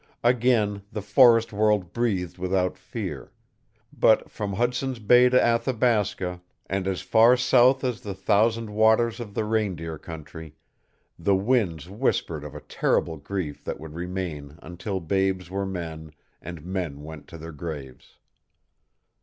Again the forest world breathed without fear; but from Hudson's Bay to Athabasca, and as far south as the thousand waters of the Reindeer country, the winds whispered of a terrible grief that would remain until babes were men and men went to their graves.